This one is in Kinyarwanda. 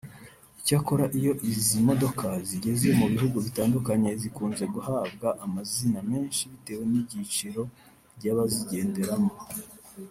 Icyakora iyo izi modoka zigeze mu bihugu bitandukanye zikunze guhabwa amazina menshi bitewe n’ibyiciro by’abazigendamo